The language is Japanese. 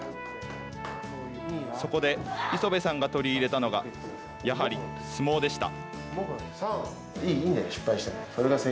そこで磯部さんが取り入れたのが、やはり相撲でした。